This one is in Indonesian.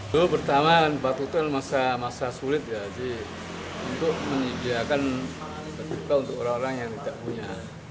dulu pertama batu itu masa masa sulit ya untuk menyediakan ketika untuk orang orang yang tidak punya